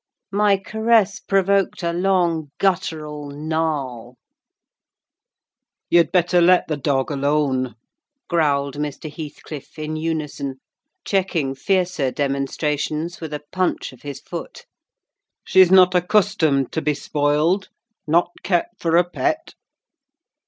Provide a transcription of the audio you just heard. My caress provoked a long, guttural gnarl. "You'd better let the dog alone," growled Mr. Heathcliff in unison, checking fiercer demonstrations with a punch of his foot. "She's not accustomed to be spoiled—not kept for a pet."